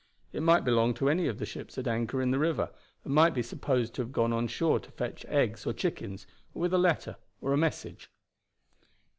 It might belong to any of the ships at anchor in the river, and might be supposed to have gone on shore to fetch eggs or chickens, or with a letter or a message.